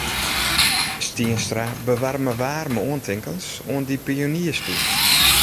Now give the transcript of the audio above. Stienstra bewarre waarme oantinkens oan dy pionierstiid.